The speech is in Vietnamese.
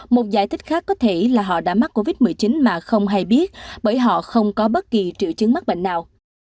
một giải thích khác có thể là họ đã mắc covid một mươi chín mà không hay biết bởi họ không có bất kỳ triệu chứng mắc bệnh nào